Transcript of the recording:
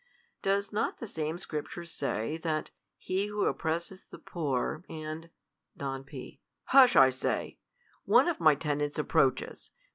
Does not the same scripture say, that " He who op})resseth the poor, and " Don P. Hush, I say ; one of my tenants approaches.